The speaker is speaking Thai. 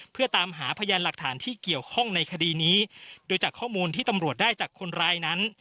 เพื่อตามหาพยานหลักฐานที่เกี่ยวข้องในคดีนี้โดยจากข้อมูลที่ตำรวจได้จากคนร้ายนั้น